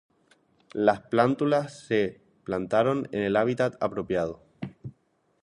Las plántulas se plantaron en el hábitat apropiado.